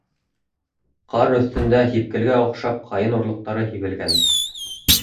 Ҡар өҫтөндә һипкелгә оҡшап ҡайын орлоҡтары һибелгән.